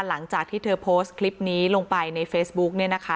หลังจากที่เธอโพสต์คลิปนี้ลงไปในเฟซบุ๊กเนี่ยนะคะ